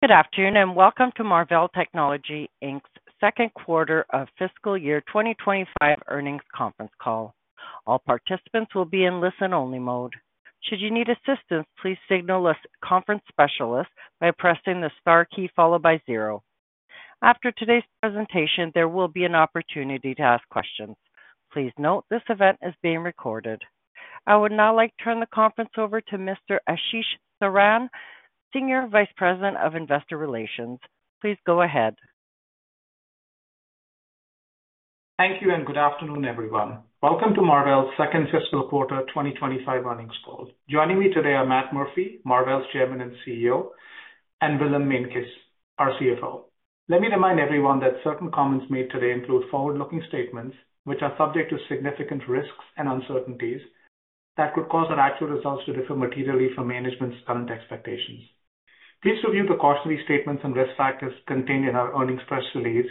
Good afternoon, and welcome to Marvell Technology, Inc.'s Second Quarter of fiscal year 2025 earnings conference call. All participants will be in listen-only mode. Should you need assistance, please signal a conference specialist by pressing the star key followed by zero. After today's presentation, there will be an opportunity to ask questions. Please note, this event is being recorded. I would now like to turn the conference over to Mr. Ashish Saran, Senior Vice President of Investor Relations. Please go ahead. Thank you, and good afternoon, everyone. Welcome to Marvell's second fiscal quarter 2025 earnings call. Joining me today are Matt Murphy, Marvell's Chairman and CEO, and Willem Meintjes, our CFO. Let me remind everyone that certain comments made today include forward-looking statements, which are subject to significant risks and uncertainties that could cause our actual results to differ materially from management's current expectations. Please review the cautionary statements and risk factors contained in our earnings press release,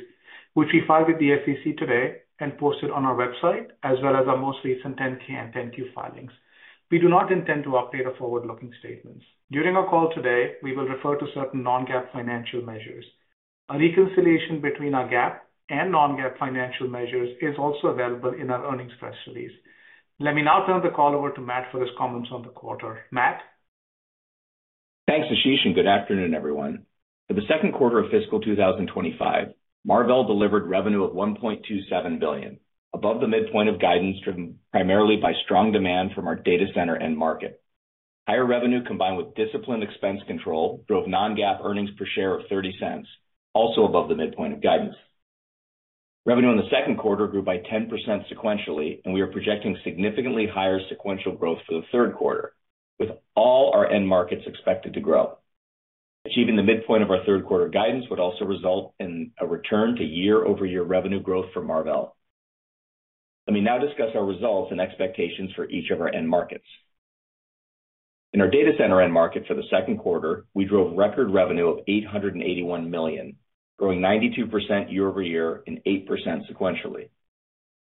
which we filed with the SEC today and posted on our website, as well as our most recent 10-K and 10-Q filings. We do not intend to update our forward-looking statements. During our call today, we will refer to certain non-GAAP financial measures. A reconciliation between our GAAP and non-GAAP financial measures is also available in our earnings press release. Let me now turn the call over to Matt for his comments on the quarter. Matt? Thanks, Ashish, and good afternoon, everyone. For the second quarter of fiscal 2025, Marvell delivered revenue of $1.27 billion, above the midpoint of guidance, driven primarily by strong demand from our data center end market. Higher revenue, combined with disciplined expense control, drove non-GAAP earnings per share of $0.30, also above the midpoint of guidance. Revenue in the second quarter grew by 10% sequentially, and we are projecting significantly higher sequential growth for the third quarter, with all our end markets expected to grow. Achieving the midpoint of our third quarter guidance would also result in a return to year-over-year revenue growth for Marvell. Let me now discuss our results and expectations for each of our end markets. In our data center end market for the second quarter, we drove record revenue of $881 million, growing 92% year over year and 8% sequentially.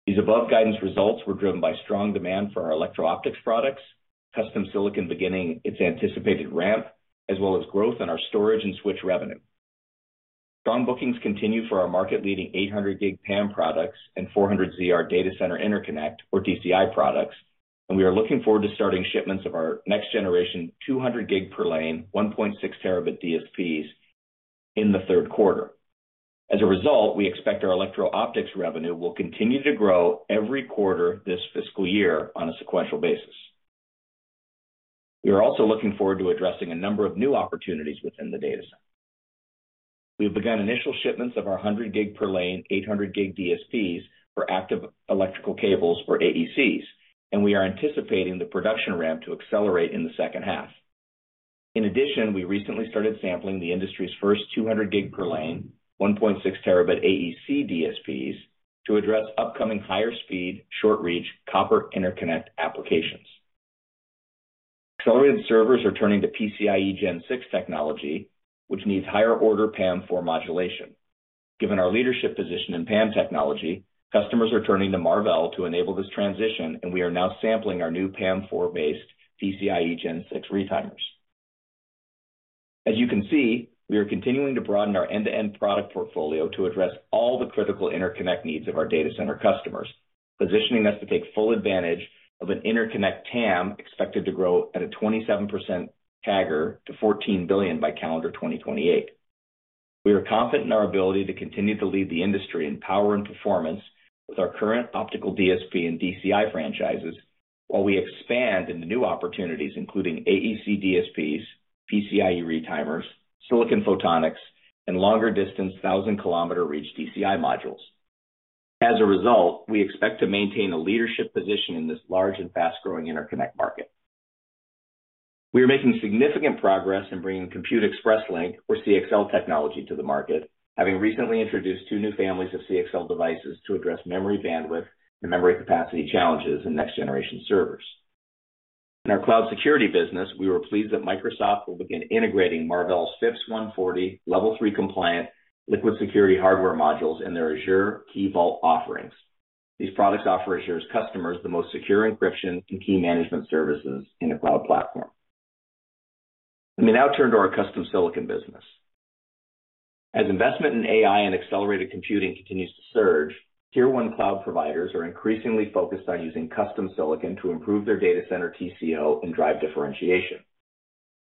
These above guidance results were driven by strong demand for our electro-optics products, custom silicon beginning its anticipated ramp, as well as growth in our storage and switch revenue. Strong bookings continue for our market-leading 800G PAM products and 400ZR data center interconnect, or DCI products, and we are looking forward to starting shipments of our next generation 200G per lane, 1.6T DSPs in the third quarter. As a result, we expect our electro-optics revenue will continue to grow every quarter this fiscal year on a sequential basis. We are also looking forward to addressing a number of new opportunities within the data center. We have begun initial shipments of our 100G per lane, 800G DSPs for active electrical cables, or AECs, and we are anticipating the production ramp to accelerate in the second half. In addition, we recently started sampling the industry's first 200G per lane, 1.6T AEC DSPs to address upcoming higher speed, short reach, copper interconnect applications. Accelerated servers are turning to PCIe Gen 6 technology, which needs higher order PAM4 modulation. Given our leadership position in PAM technology, customers are turning to Marvell to enable this transition, and we are now sampling our new PAM4-based PCIe Gen 6 retimers. As you can see, we are continuing to broaden our end-to-end product portfolio to address all the critical interconnect needs of our data center customers, positioning us to take full advantage of an interconnect TAM, expected to grow at a 27% CAGR to $14 billion by calendar 2028. We are confident in our ability to continue to lead the industry in power and performance with our current optical DSP and DCI franchises, while we expand into new opportunities, including AEC DSPs, PCIe retimers, silicon photonics, and longer distance thousand-kilometer reach DCI modules. As a result, we expect to maintain a leadership position in this large and fast-growing interconnect market. We are making significant progress in bringing Compute Express Link, or CXL technology to the market, having recently introduced two new families of CXL devices to address memory bandwidth and memory capacity challenges in next generation servers. In our cloud security business, we were pleased that Microsoft will begin integrating Marvell's FIPS 140 Level 3 compliant Liquid Security hardware modules in their Azure Key Vault offerings. These products offer Azure's customers the most secure encryption and key management services in a cloud platform. Let me now turn to our custom silicon business. As investment in AI and accelerated computing continues to surge, Tier 1 cloud providers are increasingly focused on using custom silicon to improve their data center TCO and drive differentiation.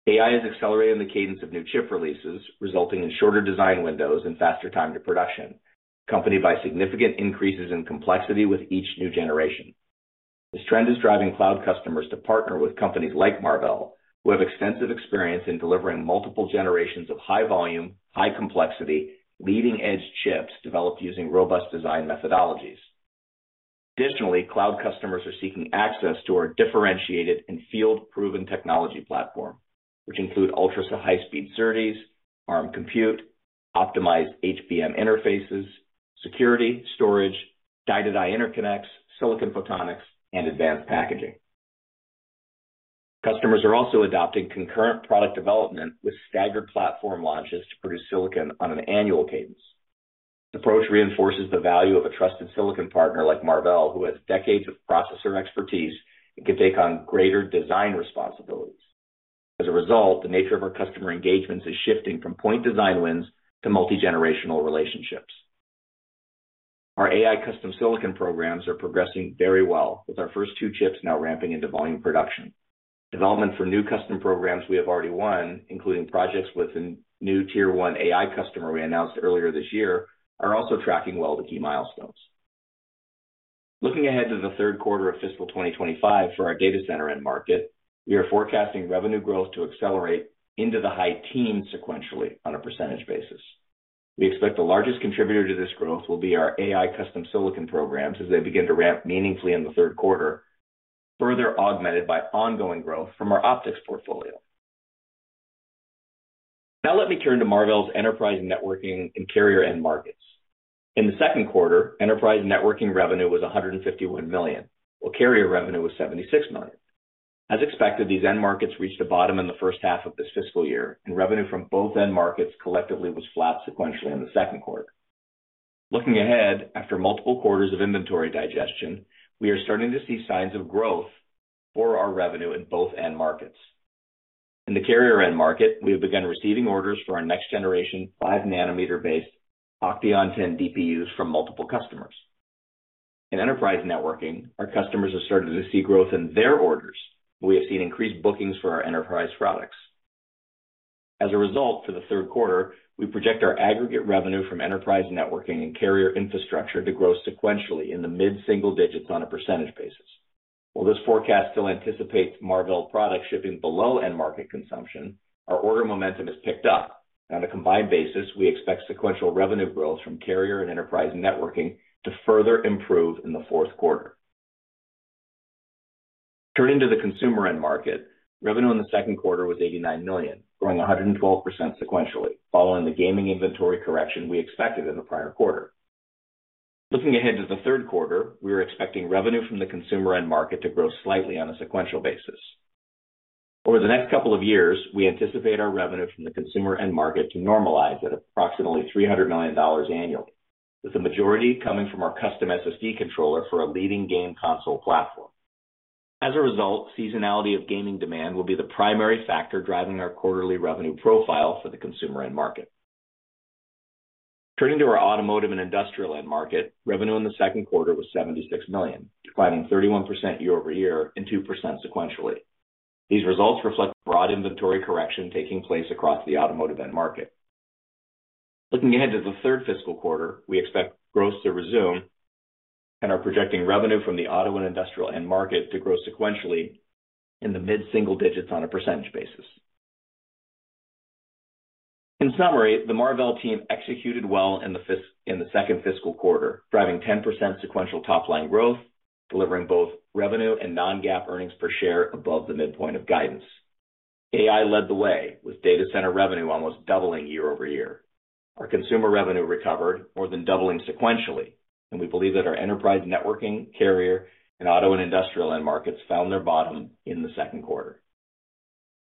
AI is accelerating the cadence of new chip releases, resulting in shorter design windows and faster time to production, accompanied by significant increases in complexity with each new generation. This trend is driving cloud customers to partner with companies like Marvell, who have extensive experience in delivering multiple generations of high volume, high complexity, leading-edge chips developed using robust design methodologies. Additionally, cloud customers are seeking access to our differentiated and field-proven technology platform, which include ultra-high-speed SerDes, Arm Compute, optimized HBM interfaces, security, storage, die-to-die interconnects, silicon photonics, and advanced packaging. Customers are also adopting concurrent product development with staggered platform launches to produce silicon on an annual cadence. This approach reinforces the value of a trusted silicon partner like Marvell, who has decades of processor expertise and can take on greater design responsibilities. As a result, the nature of our customer engagements is shifting from point design wins to multi-generational relationships. Our AI custom silicon programs are progressing very well, with our first two chips now ramping into volume production. Development for new custom programs we have already won, including projects with a new Tier 1 AI customer we announced earlier this year, are also tracking well to key milestones. Looking ahead to the third quarter of fiscal 2025 for our data center end market, we are forecasting revenue growth to accelerate into the high teens percentage sequentially. We expect the largest contributor to this growth will be our AI custom silicon programs as they begin to ramp meaningfully in the third quarter, further augmented by ongoing growth from our optics portfolio. Now let me turn to Marvell's enterprise networking and carrier end markets. In the second quarter, enterprise networking revenue was $151 million, while carrier revenue was $76 million. As expected, these end markets reached a bottom in the first half of this fiscal year, and revenue from both end markets collectively was flat sequentially in the second quarter. Looking ahead, after multiple quarters of inventory digestion, we are starting to see signs of growth for our revenue in both end markets. In the carrier end market, we have begun receiving orders for our next generation 5nm based OCTEON 10 DPUs from multiple customers. In enterprise networking, our customers have started to see growth in their orders. We have seen increased bookings for our enterprise products. As a result, for the third quarter, we project our aggregate revenue from enterprise networking and carrier infrastructure to grow sequentially in the mid-single digits on a percentage basis. While this forecast still anticipates Marvell product shipping below end market consumption, our order momentum has picked up. On a combined basis, we expect sequential revenue growth from carrier and enterprise networking to further improve in the fourth quarter. Turning to the consumer end market, revenue in the second quarter was $89 million, growing 112% sequentially, following the gaming inventory correction we expected in the prior quarter. Looking ahead to the third quarter, we are expecting revenue from the consumer end market to grow slightly on a sequential basis. Over the next couple of years, we anticipate our revenue from the consumer end market to normalize at approximately $300 million annually, with the majority coming from our custom SSD controller for a leading game console platform. As a result, seasonality of gaming demand will be the primary factor driving our quarterly revenue profile for the consumer end market. Turning to our automotive and industrial end market, revenue in the second quarter was $76 million, declining 31% year over year and 2% sequentially. These results reflect broad inventory correction taking place across the automotive end market. Looking ahead to the third fiscal quarter, we expect growth to resume and are projecting revenue from the auto and industrial end market to grow sequentially in the mid-single digits on a percentage basis. In summary, the Marvell team executed well in the second fiscal quarter, driving 10% sequential top-line growth, delivering both revenue and non-GAAP earnings per share above the midpoint of guidance. AI led the way, with data center revenue almost doubling year over year. Our consumer revenue recovered, more than doubling sequentially, and we believe that our enterprise networking, carrier, and auto and industrial end markets found their bottom in the second quarter.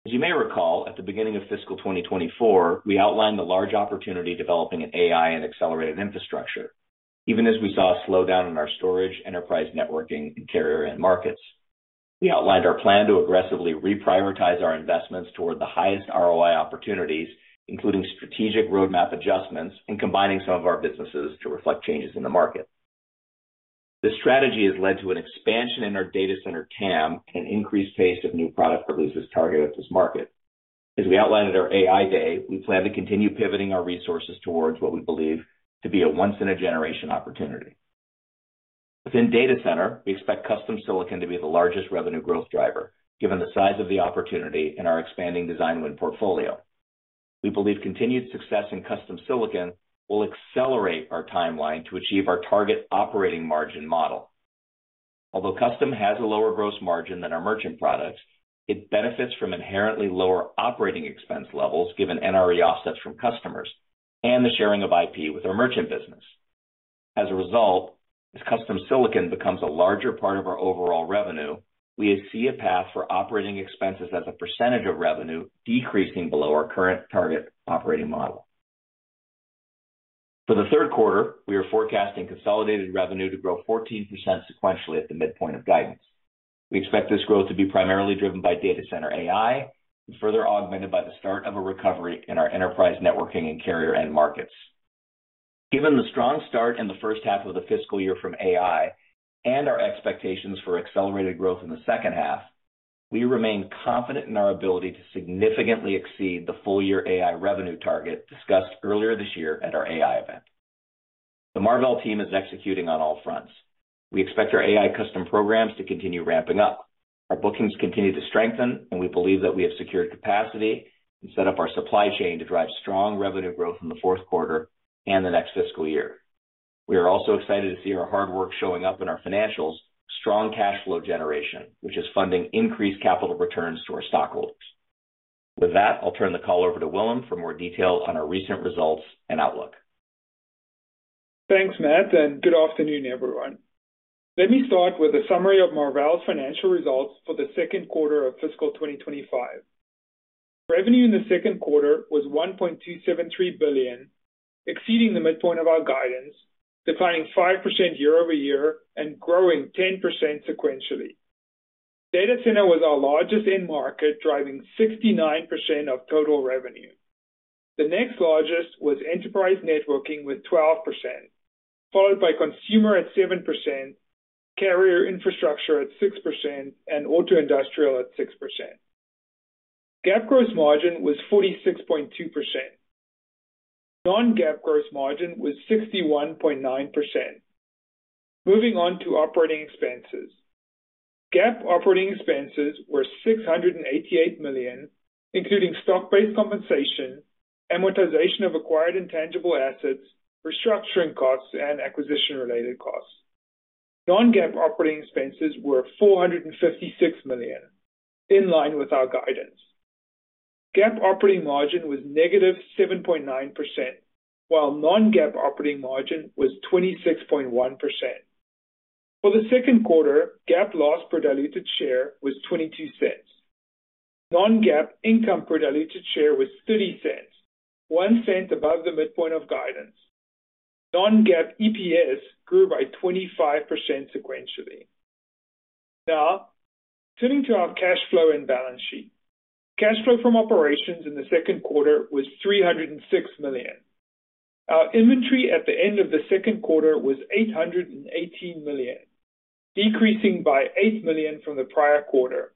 As you may recall, at the beginning of fiscal 2024, we outlined the large opportunity developing in AI and accelerated infrastructure, even as we saw a slowdown in our storage, enterprise networking, and carrier end markets. We outlined our plan to aggressively reprioritize our investments toward the highest ROI opportunities, including strategic roadmap adjustments and combining some of our businesses to reflect changes in the market. This strategy has led to an expansion in our data center TAM and increased pace of new product releases targeted at this market. As we outlined at our AI Day, we plan to continue pivoting our resources towards what we believe to be a once-in-a-generation opportunity. Within data center, we expect custom silicon to be the largest revenue growth driver, given the size of the opportunity and our expanding design win portfolio. We believe continued success in custom silicon will accelerate our timeline to achieve our target operating margin model. Although custom has a lower gross margin than our merchant products, it benefits from inherently lower operating expense levels given NRE offsets from customers and the sharing of IP with our merchant business. As a result, as custom silicon becomes a larger part of our overall revenue, we see a path for operating expenses as a percentage of revenue decreasing below our current target operating model. For the third quarter, we are forecasting consolidated revenue to grow 14% sequentially at the midpoint of guidance. We expect this growth to be primarily driven by data center AI, and further augmented by the start of a recovery in our enterprise, networking, and carrier end markets. Given the strong start in the first half of the fiscal year from AI and our expectations for accelerated growth in the second half, we remain confident in our ability to significantly exceed the full year AI revenue target discussed earlier this year at our AI event. The Marvell team is executing on all fronts. We expect our AI custom programs to continue ramping up. Our bookings continue to strengthen, and we believe that we have secured capacity and set up our supply chain to drive strong revenue growth in the fourth quarter and the next fiscal year. We are also excited to see our hard work showing up in our financials, strong cash flow generation, which is funding increased capital returns to our stockholders. With that, I'll turn the call over to Willem for more details on our recent results and outlook. Thanks, Matt, and good afternoon, everyone. Let me start with a summary of Marvell's financial results for the second quarter of fiscal 2025. Revenue in the second quarter was $1.273 billion, exceeding the midpoint of our guidance, declining 5% year-over-year and growing 10% sequentially. Data center was our largest end market, driving 69% of total revenue. The next largest was enterprise networking with 12%, followed by consumer at 7%, carrier infrastructure at 6%, and auto and industrial at 6%. GAAP gross margin was 46.2%. Non-GAAP gross margin was 61.9%. Moving on to operating expenses. GAAP operating expenses were $688 million, including stock-based compensation, amortization of acquired intangible assets, restructuring costs, and acquisition-related costs. Non-GAAP operating expenses were $456 million, in line with our guidance. GAAP operating margin was -7.9%, while non-GAAP operating margin was 26.1%. For the second quarter, GAAP loss per diluted share was $0.22. Non-GAAP income per diluted share was $0.30, $0.01 above the midpoint of guidance. Non-GAAP EPS grew by 25% sequentially. Now, turning to our cash flow and balance sheet. Cash flow from operations in the second quarter was $306 million. Our inventory at the end of the second quarter was $818 million, decreasing by $8 million from the prior quarter.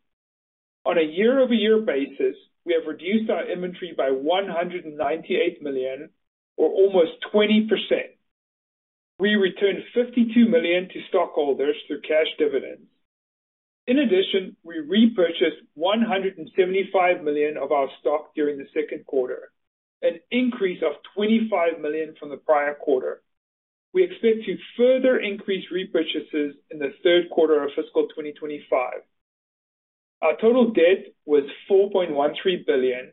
On a year-over-year basis, we have reduced our inventory by $198 million or almost 20%. We returned $52 million to stockholders through cash dividends. In addition, we repurchased $175 million of our stock during the second quarter, an increase of $25 million from the prior quarter. We expect to further increase repurchases in the third quarter of fiscal 2025. Our total debt was $4.13 billion.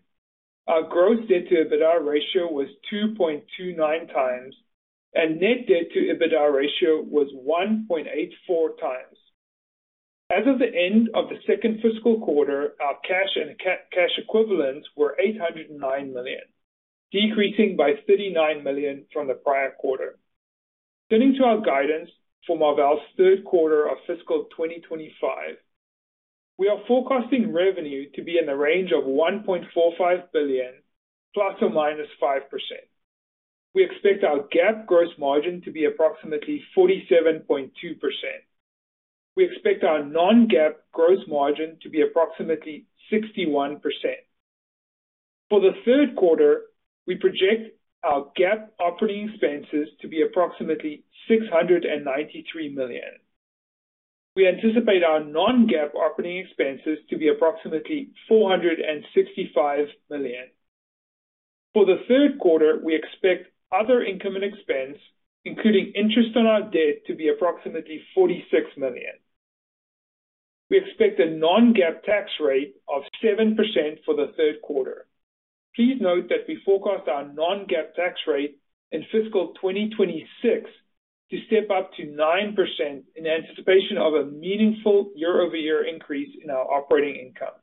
Our gross debt to EBITDA ratio was 2.29x, and net debt to EBITDA ratio was 1.84x. As of the end of the second fiscal quarter, our cash and cash equivalents were $809 million, decreasing by $39 million from the prior quarter. Turning to our guidance for Marvell's third quarter of fiscal 2025. We are forecasting revenue to be in the range of $1.45 billion, ±5%. We expect our GAAP gross margin to be approximately 47.2%. We expect our non-GAAP gross margin to be approximately 61%. For the third quarter, we project our GAAP operating expenses to be approximately $693 million. We anticipate our non-GAAP operating expenses to be approximately $465 million. For the third quarter, we expect other income and expense, including interest on our debt, to be approximately $46 million. We expect a non-GAAP tax rate of 7% for the third quarter. Please note that we forecast our non-GAAP tax rate in fiscal 2026 to step up to 9% in anticipation of a meaningful year-over-year increase in our operating income.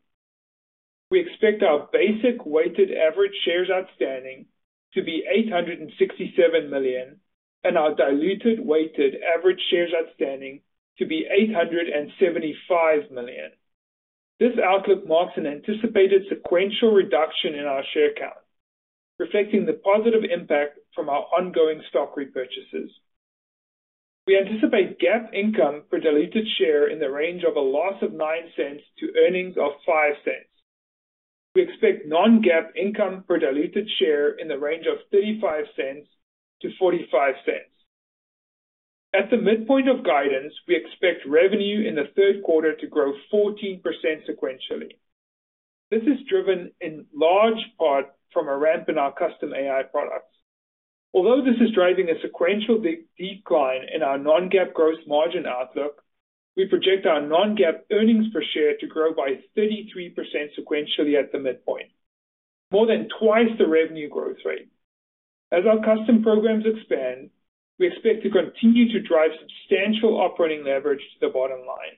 We expect our basic weighted average shares outstanding to be 867 million, and our diluted weighted average shares outstanding to be 875 million. This outlook marks an anticipated sequential reduction in our share count, reflecting the positive impact from our ongoing stock repurchases. We anticipate GAAP income per diluted share in the range of -$0.09 to $0.05. We expect non-GAAP income per diluted share in the range of $0.35-$0.45. At the midpoint of guidance, we expect revenue in the third quarter to grow 14% sequentially. This is driven in large part from a ramp in our custom AI products. Although this is driving a sequential decline in our non-GAAP gross margin outlook, we project our non-GAAP earnings per share to grow by 33% sequentially at the midpoint, more than twice the revenue growth rate. As our custom programs expand, we expect to continue to drive substantial operating leverage to the bottom line.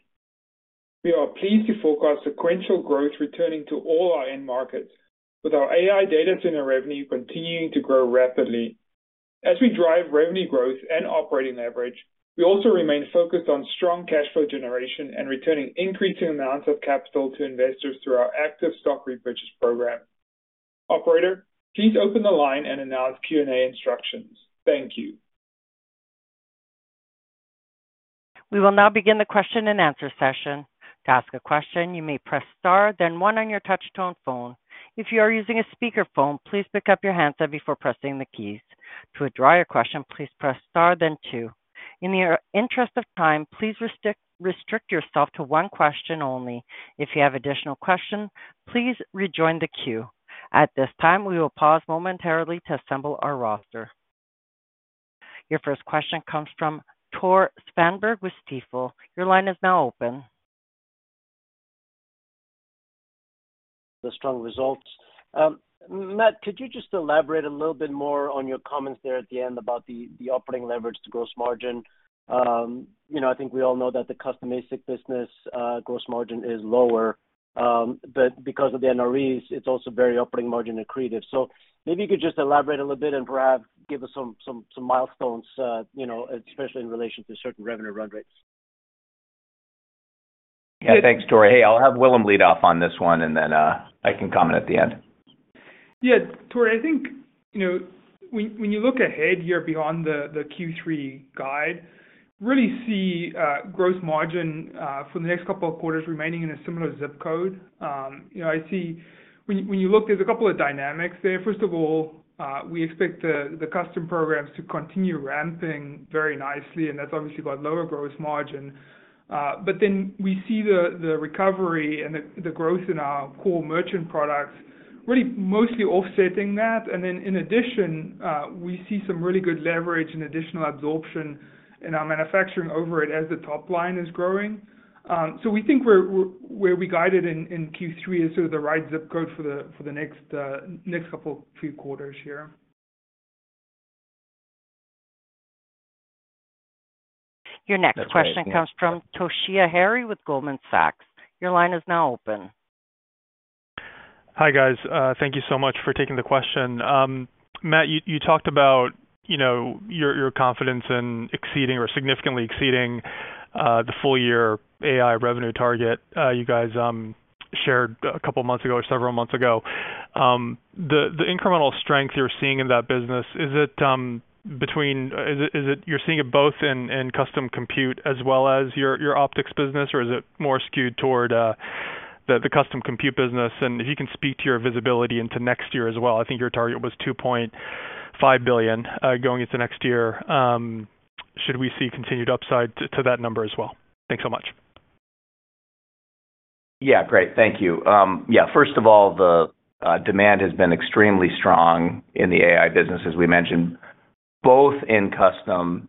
We are pleased to forecast sequential growth returning to all our end markets, with our AI data center revenue continuing to grow rapidly. As we drive revenue growth and operating leverage, we also remain focused on strong cash flow generation and returning increasing amounts of capital to investors through our active stock repurchase program. Operator, please open the line and announce Q&A instructions. Thank you. We will now begin the question-and-answer session. To ask a question, you may press star then one on your touchtone phone. If you are using a speakerphone, please pick up your handset before pressing the keys. To withdraw your question, please press star then two. In the interest of time, please restrict yourself to one question only. If you have additional questions, please rejoin the queue. At this time, we will pause momentarily to assemble our roster. Your first question comes from Tore Svanberg with Stifel. Your line is now open. The strong results. Matt, could you just elaborate a little bit more on your comments there at the end about the operating leverage to gross margin? You know, I think we all know that the custom ASIC business, gross margin is lower, but because of the NREs, it's also very operating margin accretive. So maybe you could just elaborate a little bit and perhaps give us some milestones, you know, especially in relation to certain revenue run rates. Yeah, thanks, Tore. Hey, I'll have Willem lead off on this one, and then I can comment at the end. Yeah, Tore, I think, you know, when you look ahead here beyond the Q3 guide, really see gross margin for the next couple of quarters remaining in a similar zip code. You know, I see when you look, there's a couple of dynamics there. First of all, we expect the custom programs to continue ramping very nicely, and that's obviously got lower gross margin. But then we see the recovery and the growth in our core merchant products really mostly offsetting that. And then in addition, we see some really good leverage and additional absorption in our manufacturing over it as the top line is growing. So we think where we guided in Q3 is sort of the right zip code for the next couple few quarters here. Your next question comes from Toshiya Hari with Goldman Sachs. Your line is now open. Hi, guys. Thank you so much for taking the question. Matt, you talked about, you know, your confidence in exceeding or significantly exceeding the full year AI revenue target you guys shared a couple of months ago or several months ago. The incremental strength you're seeing in that business, is it you're seeing it both in custom compute as well as your optics business, or is it more skewed toward the custom compute business? And if you can speak to your visibility into next year as well. I think your target was $2.5 billion going into next year. Should we see continued upside to that number as well? Thanks so much. Yeah, great. Thank you. Yeah, first of all, the demand has been extremely strong in the AI business, as we mentioned, both in custom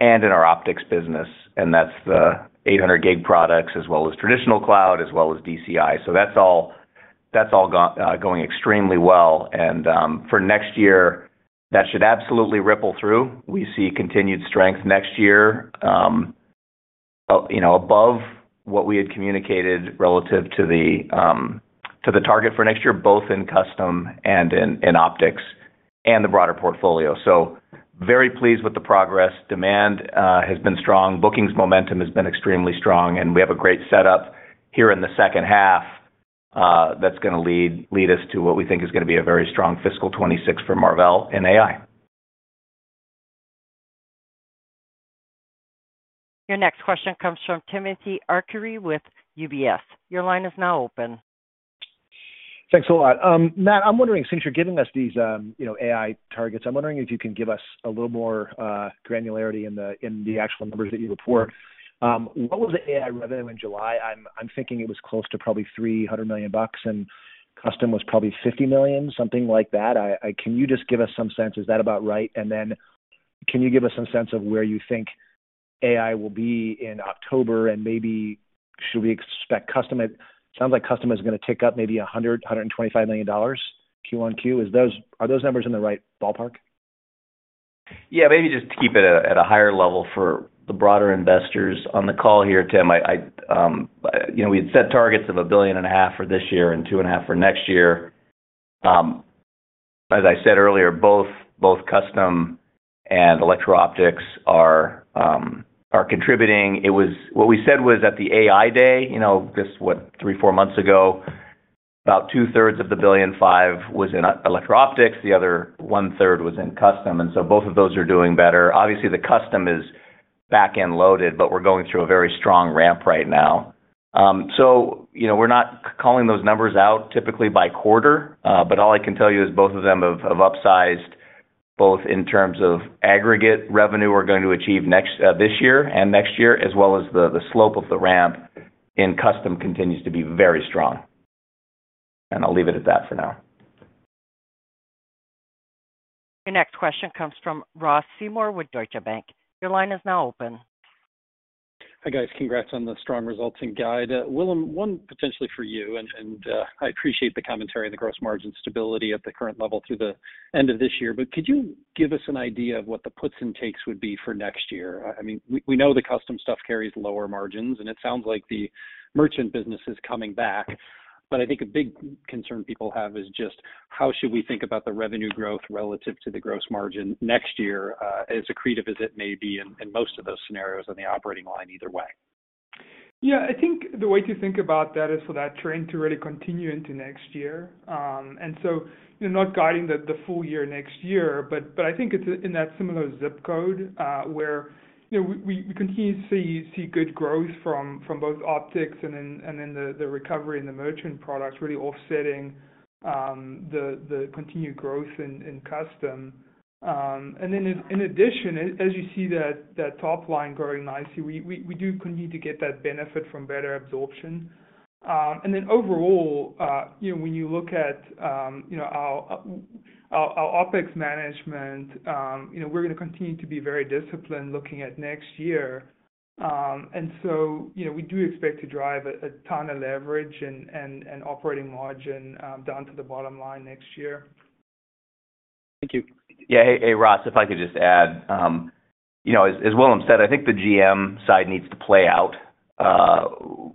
and in our optics business, and that's the 800G products as well as traditional cloud, as well as DCI. So that's all going extremely well. And for next year, that should absolutely ripple through. We see continued strength next year, you know, above what we had communicated relative to the target for next year, both in custom and in optics and the broader portfolio. So very pleased with the progress. Demand has been strong. Bookings momentum has been extremely strong, and we have a great setup here in the second half, that's gonna lead us to what we think is gonna be a very strong fiscal 2026 for Marvell in AI. Your next question comes from Timothy Arcuri with UBS. Your line is now open. Thanks a lot. Matt, I'm wondering, since you're giving us these, you know, AI targets, I'm wondering if you can give us a little more granularity in the, in the actual numbers that you report. What was the AI revenue in July? I'm thinking it was close to probably $300 million, and custom was probably $50 million, something like that. Can you just give us some sense, is that about right? And then can you give us some sense of where you think AI will be in October, and maybe should we expect custom at-- Sounds like custom is gonna tick up maybe $100-$125 million Q1Q. Are those numbers in the right ballpark? Yeah, maybe just to keep it at a higher level for the broader investors on the call here, Tim. I, you know, we had set targets of $1.5 billion for this year and $2.5 billion for next year. As I said earlier, both custom and electro-optics are contributing. It was what we said was at the AI Day, you know, just what? Three, four months ago, about two-thirds of the $1.05 billion was in electro-optics, the other one-third was in custom, and so both of those are doing better. Obviously, the custom is back-end loaded, but we're going through a very strong ramp right now. So you know, we're not calling those numbers out typically by quarter, but all I can tell you is both of them have upsized, both in terms of aggregate revenue we're going to achieve next this year and next year, as well as the slope of the ramp in custom continues to be very strong. And I'll leave it at that for now. Your next question comes from Ross Seymore with Deutsche Bank. Your line is now open. Hi, guys. Congrats on the strong results and guide. Willem, one potentially for you, and, and, I appreciate the commentary on the gross margin stability at the current level through the end of this year, but could you give us an idea of what the puts and takes would be for next year? I mean, we know the custom stuff carries lower margins, and it sounds like the merchant business is coming back. But I think a big concern people have is just how should we think about the revenue growth relative to the gross margin next year, as accretive as it may be in most of those scenarios on the operating line either way? Yeah, I think the way to think about that is for that trend to really continue into next year. And so, you know, not guiding the full year next year, but I think it's in that similar zip code, where, you know, we continue to see good growth from both optics and then the recovery in the merchant products really offsetting the continued growth in custom. And then in addition, as you see that top line growing nicely, we do continue to get that benefit from better absorption. And then overall, you know, when you look at you know our OpEx management, you know, we're gonna continue to be very disciplined looking at next year. And so, you know, we do expect to drive a ton of leverage and operating margin down to the bottom line next year. Thank you. Yeah. Hey, Ross, if I could just add, you know, as Willem said, I think the GM side needs to play out.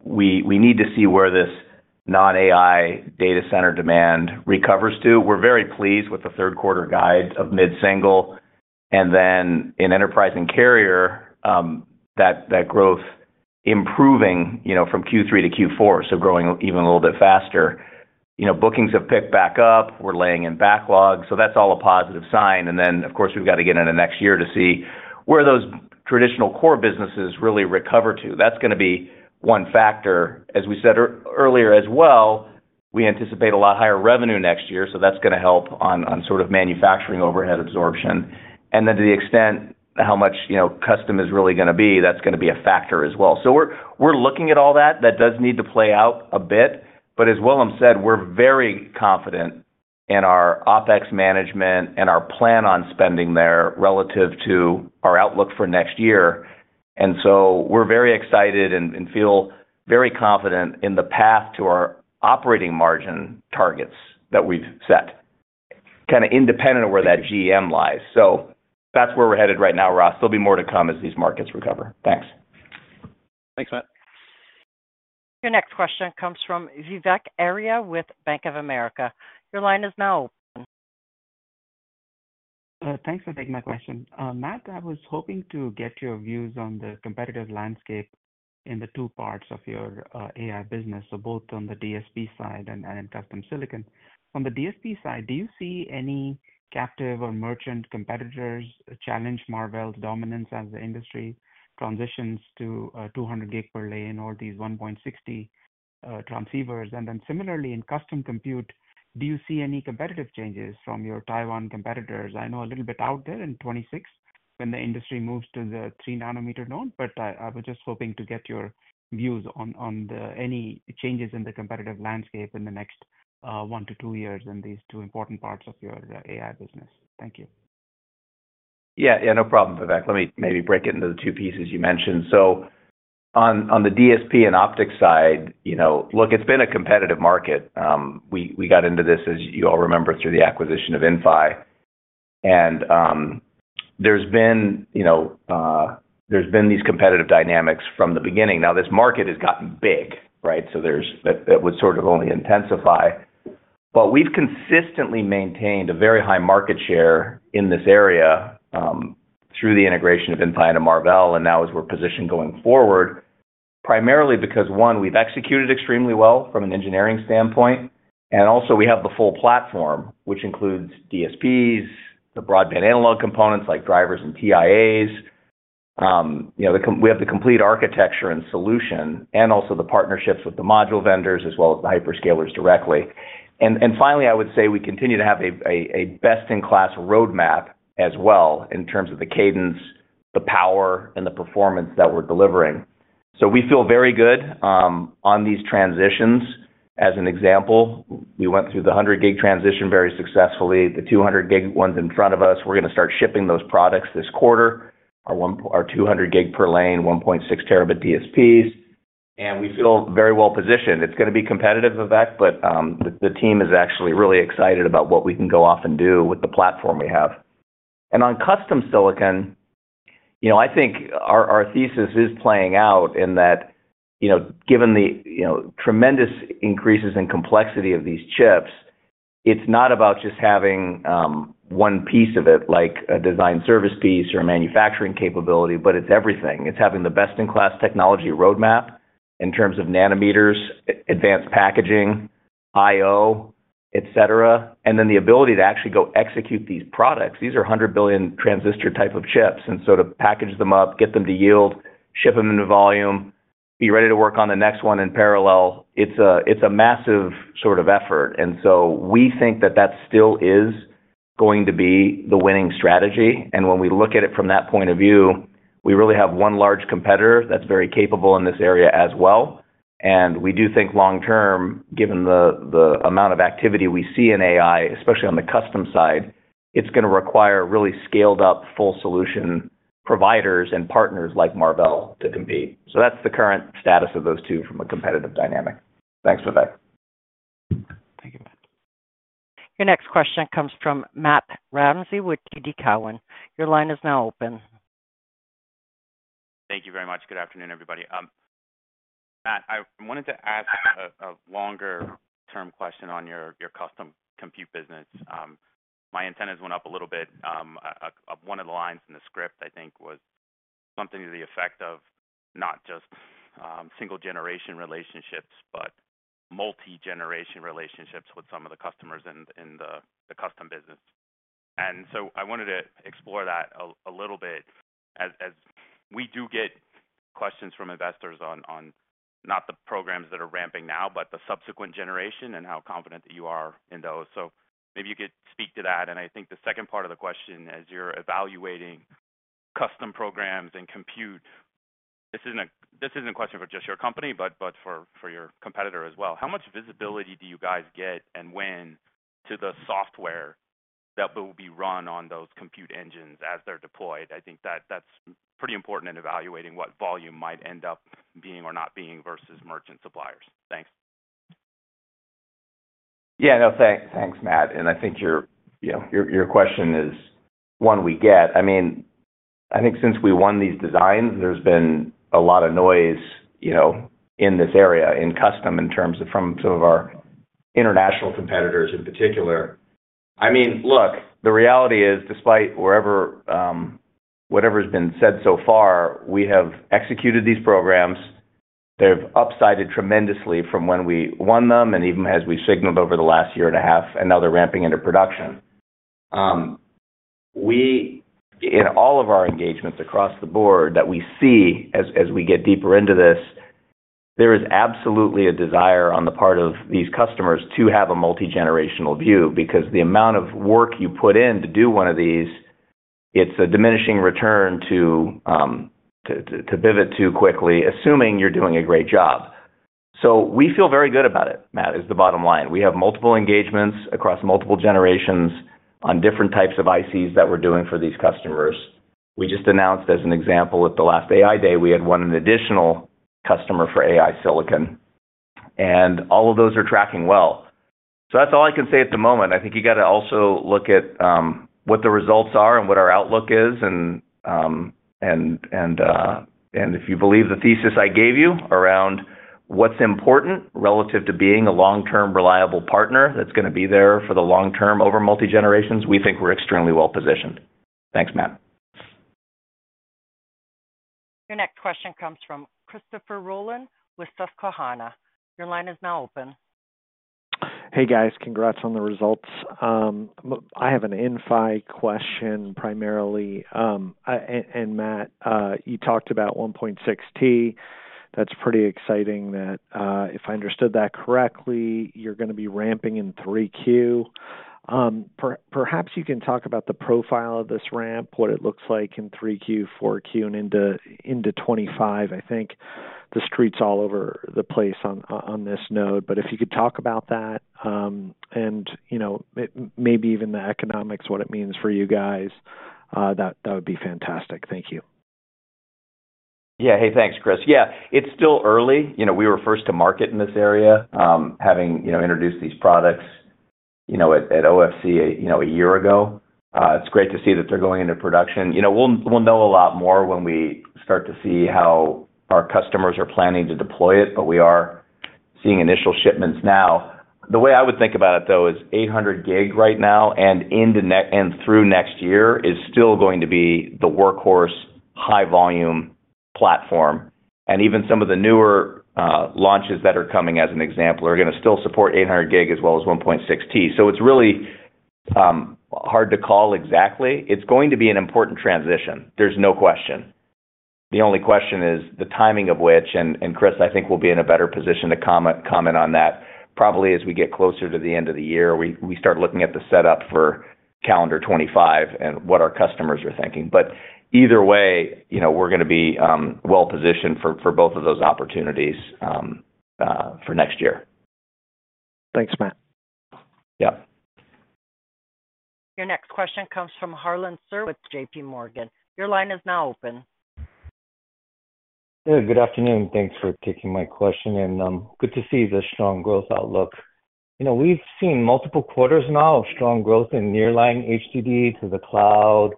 We need to see where this non-AI data center demand recovers to. We're very pleased with the third quarter guide of mid-single, and then in enterprise and carrier, that growth improving, you know, from Q3 to Q4, so growing even a little bit faster. You know, bookings have picked back up. We're laying in backlogs, so that's all a positive sign. And then, of course, we've got to get into next year to see where those traditional core businesses really recover to. That's going to be one factor. As we said earlier as well, we anticipate a lot higher revenue next year, so that's going to help on sort of manufacturing overhead absorption. And then, to the extent how much, you know, custom is really going to be, that's going to be a factor as well. So we're looking at all that. That does need to play out a bit, but as Willem said, we're very confident in our OpEx management and our plan on spending there relative to our outlook for next year. And so we're very excited and feel very confident in the path to our operating margin targets that we've set, kind of independent of where that GM lies. So that's where we're headed right now, Ross. There'll be more to come as these markets recover. Thanks. Thanks, Matt. Your next question comes from Vivek Arya with Bank of America. Your line is now open. Thanks for taking my question. Matt, I was hoping to get your views on the competitive landscape in the two parts of your AI business, so both on the DSP side and in custom silicon. On the DSP side, do you see any captive or merchant competitors challenge Marvell's dominance as the industry transitions to 200G per lane or these 1.6 transceivers? And then similarly, in custom compute, do you see any competitive changes from your Taiwan competitors? I know a little bit out there in 2026 when the industry moves to the 3nm node, but I was just hoping to get your views on any changes in the competitive landscape in the next one to two years in these two important parts of your AI business. Thank you. Yeah, yeah, no problem, Vivek. Let me maybe break it into the two pieces you mentioned. So on, on the DSP and optics side, you know, look, it's been a competitive market. We got into this, as you all remember, through the acquisition of Inphi. And there's been, you know, these competitive dynamics from the beginning. Now, this market has gotten big, right? So that would sort of only intensify. But we've consistently maintained a very high market share in this area through the integration of Inphi into Marvell, and now as we're positioned going forward, primarily because, one, we've executed extremely well from an engineering standpoint, and also we have the full platform, which includes DSPs, the broadband analog components like drivers and TIAs. You know, we have the complete architecture and solution and also the partnerships with the module vendors as well as the hyperscalers directly. And finally, I would say we continue to have a best-in-class roadmap as well in terms of the cadence, the power, and the performance that we're delivering. So we feel very good on these transitions. As an example, we went through the 100G transition very successfully. The 200G one's in front of us. We're going to start shipping those products this quarter, our 200G per lane, 1.6T DSPs, and we feel very well positioned. It's going to be competitive, Vivek, but the team is actually really excited about what we can go off and do with the platform we have. And on custom silicon, you know, I think our thesis is playing out in that, you know, given the, you know, tremendous increases in complexity of these chips, it's not about just having one piece of it, like a design service piece or a manufacturing capability, but it's everything. It's having the best-in-class technology roadmap in terms of nanometers, advanced packaging, I/O, et cetera, and then the ability to actually go execute these products. These are hundred billion transistor type of chips, and so to package them up, get them to yield, ship them into volume, be ready to work on the next one in parallel, it's a massive sort of effort. And so we think that still is going to be the winning strategy. And when we look at it from that point of view, we really have one large competitor that's very capable in this area as well. And we do think long term, given the amount of activity we see in AI, especially on the custom side, it's going to require really scaled-up, full solution providers and partners like Marvell to compete. So that's the current status of those two from a competitive dynamic. Thanks, Vivek. Thank you, Matt. Your next question comes from Matt Ramsay with TD Cowen. Your line is now open. Thank you very much. Good afternoon, everybody. Matt, I wanted to ask a longer-term question on your custom compute business. My antennas went up a little bit. One of the lines in the script, I think, was something to the effect of not just single-generation relationships, but multi-generation relationships with some of the customers in the custom business. And so I wanted to explore that a little bit as we do get questions from investors on not the programs that are ramping now, but the subsequent generation and how confident you are in those. So maybe you could speak to that. And I think the second part of the question, as you're evaluating custom programs and compute, this isn't a question for just your company, but for your competitor as well. How much visibility do you guys get and when to the software that will be run on those compute engines as they're deployed? I think that's pretty important in evaluating what volume might end up being or not being versus merchant suppliers. Thanks.... Yeah, no, thanks, thanks, Matt. And I think your, you know, your question is one we get. I mean, I think since we won these designs, there's been a lot of noise, you know, in this area, in custom, in terms of from some of our international competitors in particular. I mean, look, the reality is, despite wherever, whatever's been said so far, we have executed these programs. They've upsided tremendously from when we won them, and even as we signaled over the last year and a half, and now they're ramping into production. We, in all of our engagements across the board that we see as we get deeper into this, there is absolutely a desire on the part of these customers to have a multigenerational view, because the amount of work you put in to do one of these, it's a diminishing return to pivot too quickly, assuming you're doing a great job. So we feel very good about it, Matt, is the bottom line. We have multiple engagements across multiple generations on different types of ICs that we're doing for these customers. We just announced, as an example, at the last AI Day, we had won an additional customer for AI Silicon, and all of those are tracking well. So that's all I can say at the moment. I think you got to also look at what the results are and what our outlook is, and if you believe the thesis I gave you around what's important relative to being a long-term, reliable partner that's going to be there for the long term over multi-generations, we think we're extremely well-positioned. Thanks, Matt. Your next question comes from Christopher Rolland with Susquehanna. Your line is now open. Hey, guys. Congrats on the results. I have an Inphi question primarily, and Matt, you talked about 1.6T. That's pretty exciting that, if I understood that correctly, you're going to be ramping in 3Q. Perhaps you can talk about the profile of this ramp, what it looks like in 3Q, 4Q, and into 2025. I think the street's all over the place on this note, but if you could talk about that, and, you know, maybe even the economics, what it means for you guys, that would be fantastic. Thank you. Yeah. Hey, thanks, Chris. Yeah, it's still early. You know, we were first to market in this area, having, you know, introduced these products, you know, at OFC, you know, a year ago. It's great to see that they're going into production. You know, we'll know a lot more when we start to see how our customers are planning to deploy it, but we are seeing initial shipments now. The way I would think about it, though, is 800G right now and into next year and through next year is still going to be the workhorse, high volume platform. Even some of the newer launches that are coming, as an example, are going to still support 800G as well as 1.6T. So it's really hard to call exactly. It's going to be an important transition. There's no question. The only question is the timing of which, and Chris, I think we'll be in a better position to comment on that probably as we get closer to the end of the year. We start looking at the setup for calendar 2025 and what our customers are thinking, but either way, you know, we're going to be well-positioned for both of those opportunities for next year. Thanks, Matt. Yeah. Your next question comes from Harlan Sur with J.P. Morgan. Your line is now open. Hey, good afternoon. Thanks for taking my question, and good to see the strong growth outlook. You know, we've seen multiple quarters now of strong growth in nearline HDD to the cloud,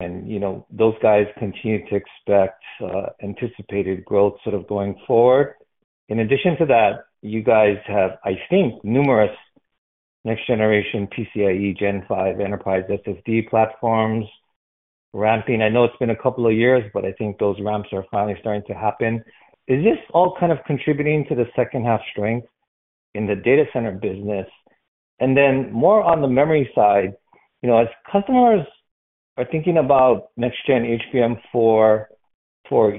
and, you know, those guys continue to expect anticipated growth sort of going forward. In addition to that, you guys have, I think, numerous next generation PCIe Gen 5 enterprise SSD platforms ramping. I know it's been a couple of years, but I think those ramps are finally starting to happen. Is this all kind of contributing to the second half strength in the data center business? And then more on the memory side, you know, as customers are thinking about next gen HBM4E, sort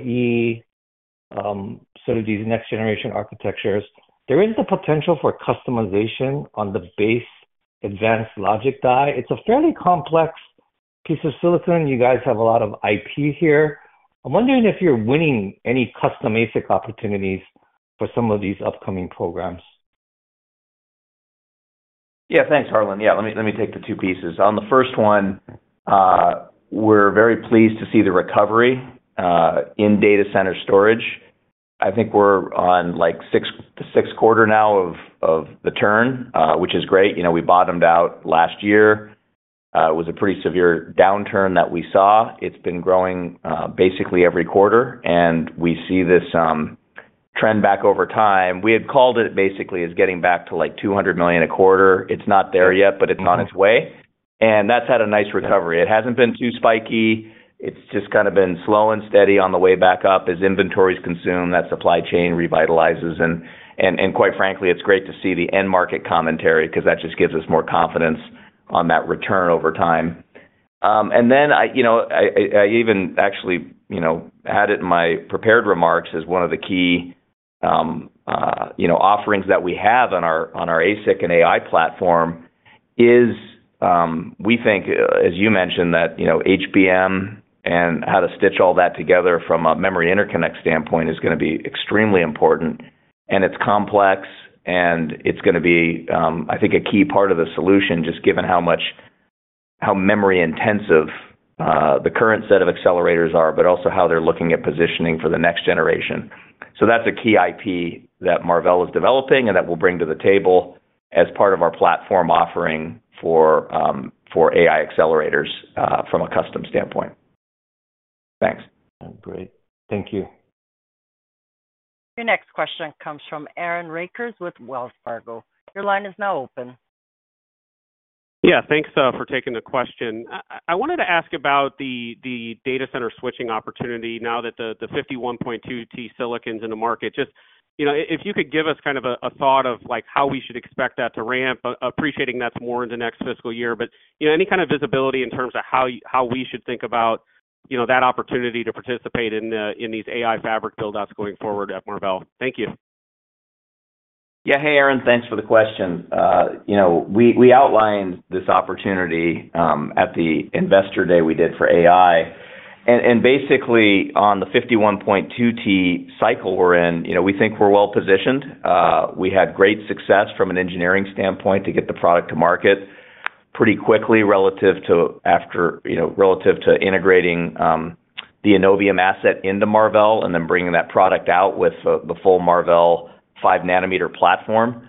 of these next generation architectures, there is the potential for customization on the base advanced logic die. It's a fairly complex piece of silicon. You guys have a lot of IP here. I'm wondering if you're winning any custom ASIC opportunities for some of these upcoming programs. Yeah, thanks, Harlan. Yeah, let me take the two pieces. On the first one, we're very pleased to see the recovery in data center storage. I think we're on, like, the sixth quarter now of the turn, which is great. You know, we bottomed out last year. It was a pretty severe downturn that we saw. It's been growing basically every quarter, and we see this trend back over time. We had called it basically as getting back to, like, $200 million a quarter. It's not there yet, but it's on its way, and that's had a nice recovery. It hasn't been too spiky. It's just kind of been slow and steady on the way back up. As inventories consume, that supply chain revitalizes. Quite frankly, it's great to see the end market commentary because that just gives us more confidence on that return over time. And then I, you know, even actually, you know, had it in my prepared remarks as one of the key, you know, offerings that we have on our, on our ASIC and AI platform is, we think, as you mentioned, that, you know, HBM and how to stitch all that together from a memory interconnect standpoint is going to be extremely important. And it's complex, and it's going to be, I think, a key part of the solution, just given how memory intensive, the current set of accelerators are, but also how they're looking at positioning for the next generation. That's a key IP that Marvell is developing and that we'll bring to the table as part of our platform offering for AI accelerators from a custom standpoint. Thanks. Great. Thank you. Your next question comes from Aaron Rakers with Wells Fargo. Your line is now open. Yeah, thanks, for taking the question. I wanted to ask about the, the data center switching opportunity now that the, the 51.2T silicon is in the market. Just, you know, if you could give us kind of a, a thought of, like, how we should expect that to ramp, appreciating that's more in the next fiscal year. But, you know, any kind of visibility in terms of how, how we should think about, you know, that opportunity to participate in, in these AI fabric build-outs going forward at Marvell? Thank you. Yeah. Hey, Aaron, thanks for the question. You know, we outlined this opportunity at the investor day we did for AI. And basically, on the 51.2T cycle we're in, you know, we think we're well positioned. We had great success from an engineering standpoint to get the product to market pretty quickly relative to integrating the Innovium asset into Marvell, and then bringing that product out with the full Marvell 5nm platform.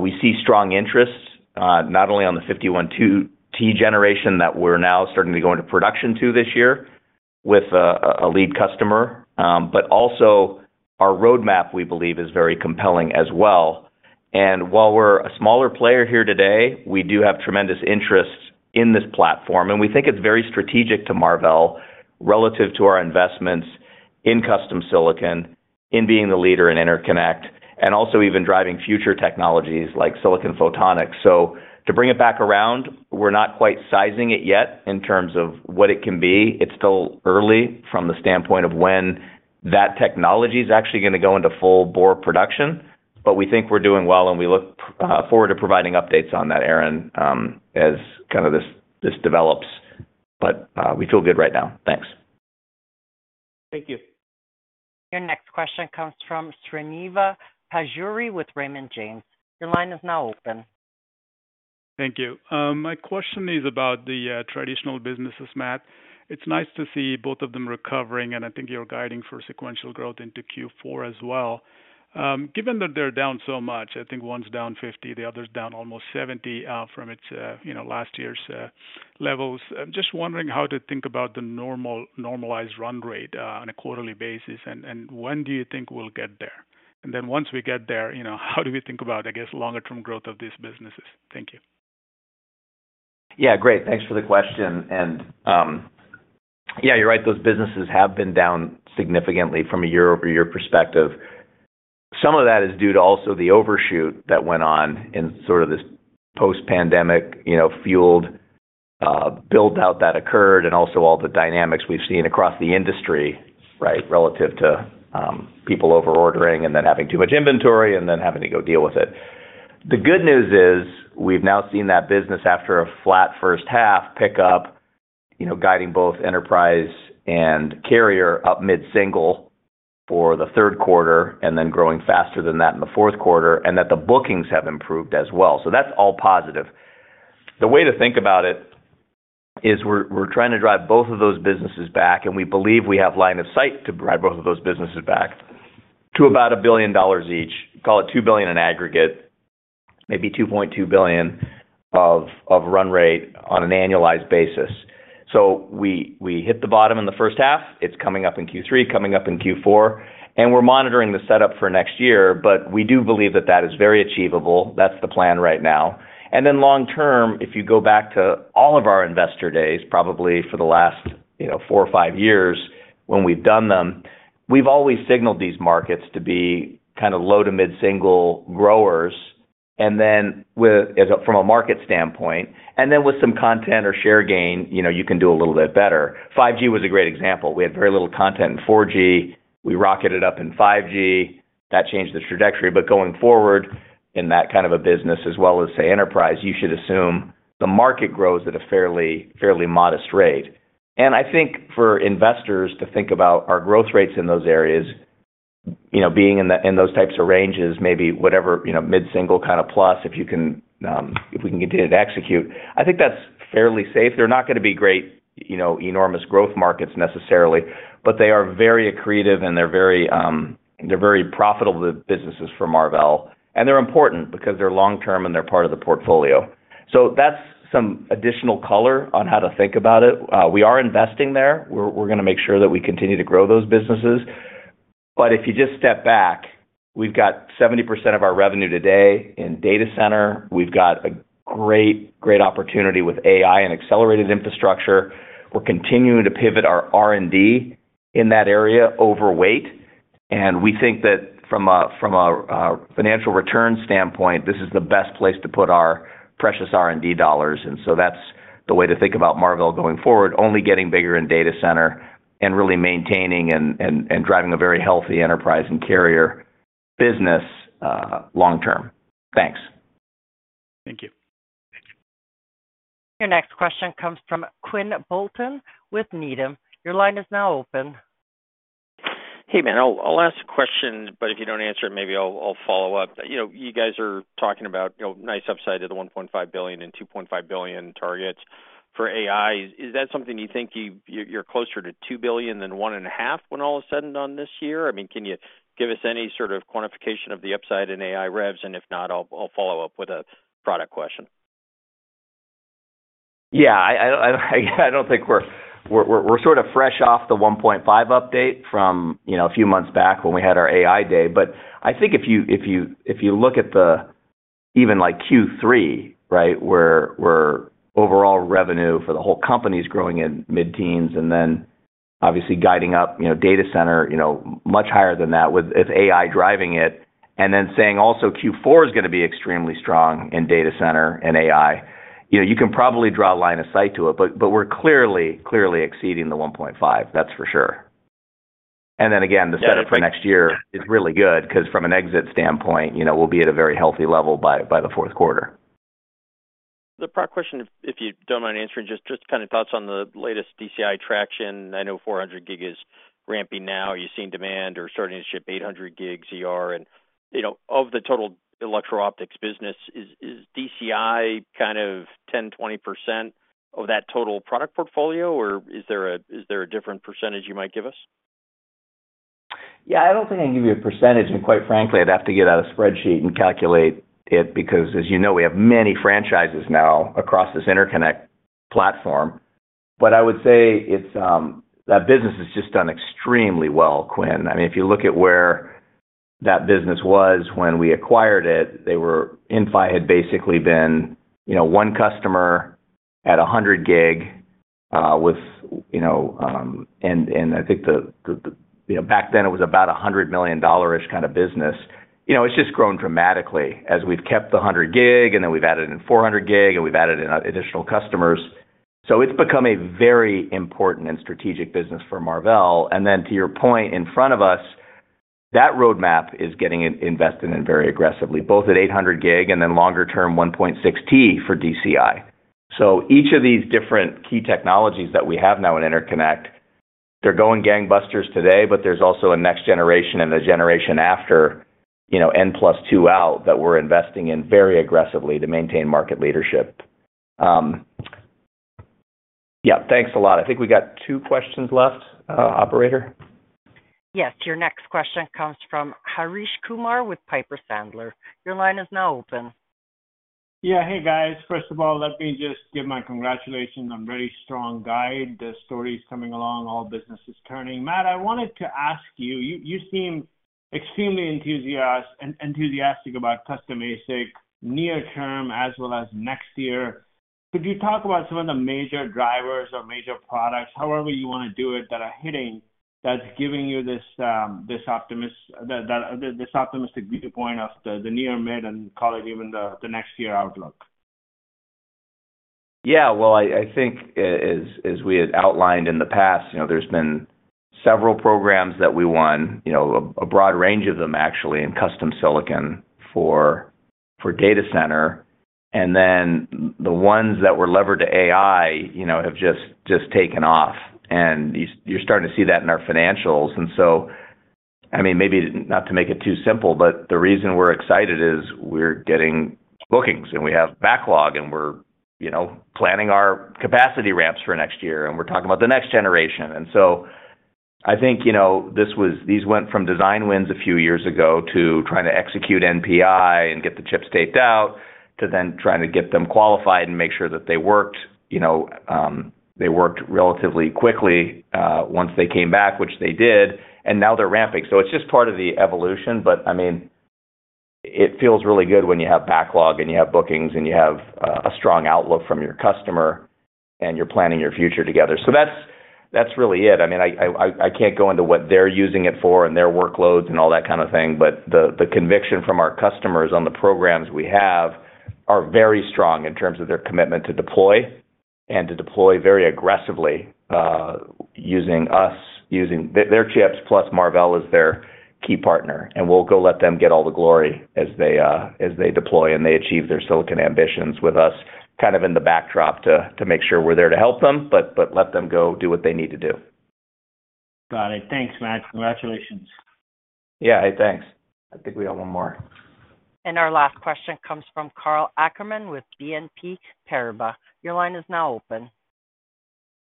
We see strong interest, not only on the 51.2T generation that we're now starting to go into production this year with a lead customer, but also our roadmap, we believe is very compelling as well. And while we're a smaller player here today, we do have tremendous interest in this platform, and we think it's very strategic to Marvell, relative to our investments in custom silicon, in being the leader in interconnect, and also even driving future technologies like silicon photonics. So to bring it back around, we're not quite sizing it yet in terms of what it can be. It's still early from the standpoint of when that technology is actually gonna go into full bore production, but we think we're doing well, and we look forward to providing updates on that, Aaron, as kind of this develops. But, we feel good right now. Thanks. Thank you. Your next question comes from Srini Pajjuri with Raymond James. Your line is now open. Thank you. My question is about the traditional businesses, Matt. It's nice to see both of them recovering, and I think you're guiding for sequential growth into Q4 as well. Given that they're down so much, I think one's down 50%, the other's down almost 70% from its, you know, last year's levels. I'm just wondering how to think about the normalized run rate on a quarterly basis, and when do you think we'll get there? And then once we get there, you know, how do we think about, I guess, longer-term growth of these businesses? Thank you. Yeah, great. Thanks for the question. And, yeah, you're right, those businesses have been down significantly from a year-over-year perspective. Some of that is due to also the overshoot that went on in sort of this post-pandemic, you know, fueled, build-out that occurred, and also all the dynamics we've seen across the industry, right? Relative to, people over ordering and then having too much inventory and then having to go deal with it. The good news is, we've now seen that business, after a flat first half, pick up, you know, guiding both enterprise and carrier up mid-single for the third quarter and then growing faster than that in the fourth quarter, and that the bookings have improved as well. So that's all positive. The way to think about it is we're trying to drive both of those businesses back, and we believe we have line of sight to drive both of those businesses back to about $1 billion each. Call it $2 billion in aggregate, maybe $2.2 billion of run rate on an annualized basis. We hit the bottom in the first half. It's coming up in Q3, coming up in Q4, and we're monitoring the setup for next year, but we do believe that is very achievable. That's the plan right now. And then long term, if you go back to all of our investor days, probably for the last, you know, four or five years when we've done them, we've always signaled these markets to be kind of low- to mid-single-digit growers, and then with, as a from a market standpoint, and then with some content or share gain, you know, you can do a little bit better. 5G was a great example. We had very little content in 4G. We rocketed up in 5G. That changed the trajectory. But going forward, in that kind of a business as well as, say, enterprise, you should assume the market grows at a fairly, fairly modest rate. I think for investors to think about our growth rates in those areas, you know, being in those types of ranges, maybe whatever, you know, mid-single kind of plus, if you can, if we can continue to execute, I think that's fairly safe. They're not gonna be great, you know, enormous growth markets necessarily, but they are very accretive and they're very, they're very profitable businesses for Marvell, and they're important because they're long-term and they're part of the portfolio. So that's some additional color on how to think about it. We are investing there. We're gonna make sure that we continue to grow those businesses. But if you just step back, we've got 70% of our revenue today in data center. We've got a great, great opportunity with AI and accelerated infrastructure. We're continuing to pivot our R&D in that area overweight, and we think that from a financial return standpoint, this is the best place to put our precious R&D dollars. And so that's the way to think about Marvell going forward, only getting bigger in data center and really maintaining and driving a very healthy enterprise and carrier business, long term. Thanks. Thank you. Your next question comes from Quinn Bolton with Needham. Your line is now open. Hey, Matt, I'll ask a question, but if you don't answer it, maybe I'll follow up. You know, you guys are talking about, you know, nice upside to the $1.5 billion and $2.5 billion targets for AI. Is that something you think you're closer to $2 billion than $1.5, when all is said and done this year? I mean, can you give us any sort of quantification of the upside in AI revs? And if not, I'll follow up with a product question. Yeah, I don't think we're sort of fresh off the one point five update from, you know, a few months back when we had our AI Day. But I think if you look at the even like Q3, right, where overall revenue for the whole company is growing in mid-teens, and then obviously guiding up, you know, data center, you know, much higher than that, with AI driving it, and then saying also Q4 is gonna be extremely strong in data center and AI, you know, you can probably draw a line of sight to it, but we're clearly exceeding the 1.5, that's for sure. And then again, the setup for next year is really good, 'cause from an exit standpoint, you know, we'll be at a very healthy level by the fourth quarter. The product question, if you don't mind answering, just kind of thoughts on the latest DCI traction. I know 400G is ramping now. Are you seeing demand or starting to ship 800G ZR? And, you know, of the total electro-optics business, is DCI kind of 10-20% of that total product portfolio, or is there a different percentage you might give us? Yeah, I don't think I can give you a percentage, and quite frankly, I'd have to get out a spreadsheet and calculate it, because as you know, we have many franchises now across this interconnect platform. But I would say it's that business has just done extremely well, Quinn. I mean, if you look at where that business was when we acquired it, they were. Inphi had basically been, you know, one customer at 100G, with, you know, and I think you know back then it was about a $100 million-ish kind of business. You know, it's just grown dramatically as we've kept the 100G, and then we've added in 400G, and we've added in additional customers. So it's become a very important and strategic business for Marvell. And then, to your point, in front of us, that roadmap is getting invested in very aggressively, both at 800G and then longer term, 1.6T for DCI. So each of these different key technologies that we have now in interconnect, they're going gangbusters today, but there's also a next generation and the generation after, you know, N plus two out, that we're investing in very aggressively to maintain market leadership. Yeah, thanks a lot. I think we got two questions left, operator. Yes, your next question comes from Harsh Kumar with Piper Sandler. Your line is now open. Yeah. Hey, guys. First of all, let me just give my congratulations on very strong guide. The story is coming along, all business is turning. Matt, I wanted to ask you. You seem extremely enthusiastic about custom ASIC, near term as well as next year. Could you talk about some of the major drivers or major products, however you wanna do it, that are hitting, that's giving you this optimistic viewpoint of the near mid and call it even the next year outlook? Yeah, well, I think as we had outlined in the past, you know, there's been several programs that we won, you know, a broad range of them, actually, in custom silicon for data center. And then the ones that were levered to AI, you know, have just taken off, and you're starting to see that in our financials. And so, I mean, maybe not to make it too simple, but the reason we're excited is we're getting bookings, and we have backlog and we're, you know, planning our capacity ramps for next year, and we're talking about the next generation. And so I think, you know, this was, these went from design wins a few years ago to trying to execute NPI and get the chips taped out, to then trying to get them qualified and make sure that they worked, you know, they worked relatively quickly, once they came back, which they did, and now they're ramping. So it's just part of the evolution. But, I mean, it feels really good when you have backlog and you have bookings, and you have a strong outlook from your customer, and you're planning your future together. So that's really it. I mean, I can't go into what they're using it for and their workloads and all that kind of thing, but the conviction from our customers on the programs we have are very strong in terms of their commitment to deploy and to deploy very aggressively, using us, using their chips plus Marvell as their key partner. And we'll go let them get all the glory as they deploy and they achieve their silicon ambitions with us, kind of in the backdrop to make sure we're there to help them, but let them go do what they need to do. Got it. Thanks, Matt. Congratulations. Yeah, hey, thanks. I think we have one more. Our last question comes from Karl Ackerman with BNP Paribas. Your line is now open.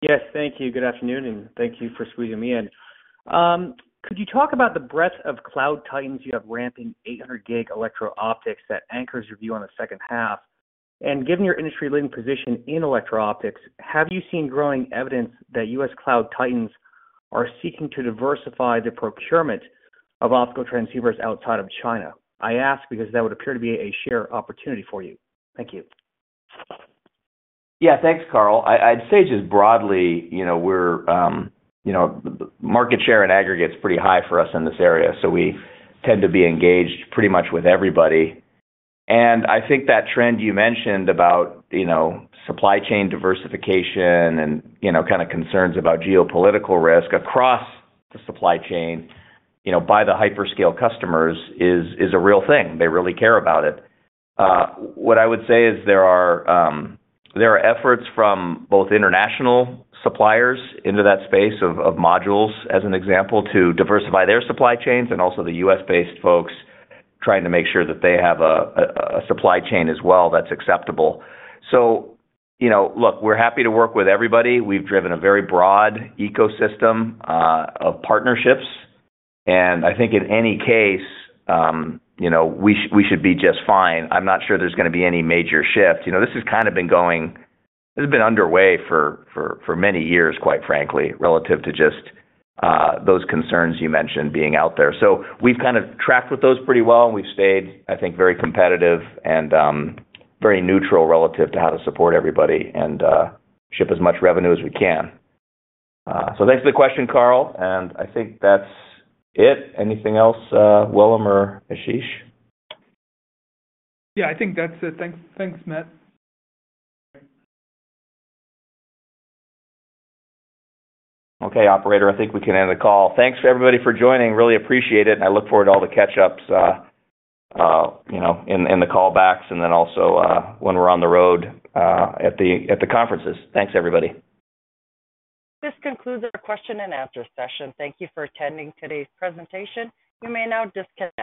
Yes, thank you. Good afternoon, and thank you for squeezing me in. Could you talk about the breadth of cloud titans you have ramping 800G electro-optics that anchors your view on the second half? And given your industry-leading position in electro-optics, have you seen growing evidence that U.S. cloud titans are seeking to diversify the procurement of optical transceivers outside of China? I ask because that would appear to be a share opportunity for you. Thank you. Yeah, thanks, Karl. I'd say just broadly, you know, we're, you know, market share and aggregate is pretty high for us in this area, so we tend to be engaged pretty much with everybody. And I think that trend you mentioned about, you know, supply chain diversification and, you know, kind of concerns about geopolitical risk across the supply chain, you know, by the hyperscale customers is a real thing. They really care about it. What I would say is there are efforts from both international suppliers into that space of modules, as an example, to diversify their supply chains, and also the U.S.-based folks trying to make sure that they have a supply chain as well that's acceptable. So, you know, look, we're happy to work with everybody. We've driven a very broad ecosystem of partnerships, and I think in any case, you know, we should be just fine. I'm not sure there's gonna be any major shift. You know, this has kind of been going this has been underway for many years, quite frankly, relative to just those concerns you mentioned being out there. So we've kind of tracked with those pretty well, and we've stayed, I think, very competitive and very neutral relative to how to support everybody and ship as much revenue as we can. So thanks for the question, Karl, and I think that's it. Anything else, Willem or Ashish? Yeah, I think that's it. Thanks, thanks, Matt. Okay, operator, I think we can end the call. Thanks, everybody, for joining. Really appreciate it, and I look forward to all the catch-ups, you know, in the call-backs and then also when we're on the road at the conferences. Thanks, everybody. This concludes our question and answer session. Thank you for attending today's presentation. You may now disconnect-